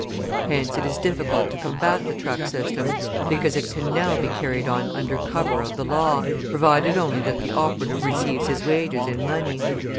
Hence it is difficult to combat the truck system, because it can now be carried on under cover of the law, provided only that the operative receives his wages in money.